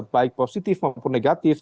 baik positif maupun negatif